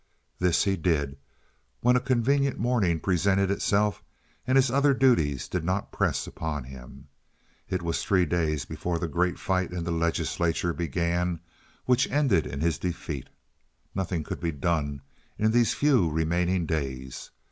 This he did when a convenient morning presented itself and his other duties did not press upon him. It was three days before the great fight in the Legislature began which ended in his defeat. Nothing could be done in these few remaining days.